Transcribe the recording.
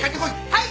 はい！